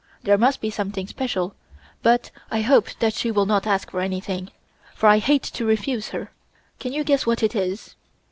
There must be something special, but I hope that she will not ask for anything, for I hate to refuse her. Can you guess what it is?"